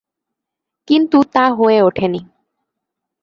কিন্তু তা হয়ে ওঠে নি।